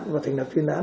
và thành lập truy nã